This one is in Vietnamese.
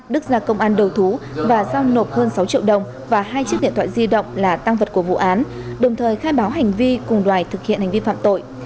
đức ra công an đầu thú và giao nộp hơn sáu triệu đồng và hai chiếc điện thoại di động là tăng vật của vụ án đồng thời khai báo hành vi cùng đoài thực hiện hành vi phạm tội